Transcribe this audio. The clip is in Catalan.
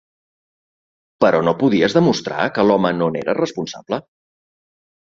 Però no podies demostrar que l'home no n'era responsable?